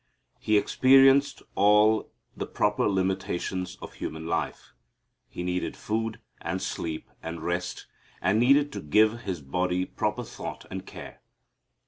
He experienced all the proper limitations of human life. He needed food and sleep and rest and needed to give His body proper thought and care.